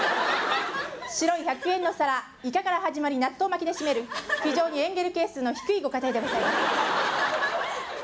白い１００円の皿、イカから始まり納豆巻きで締める、非常にエンゲル係数の低いご家庭でございます。